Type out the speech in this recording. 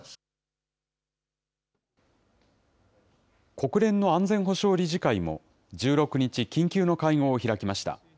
国連の安全保障理事会も、１６日、緊急の会合を開きました。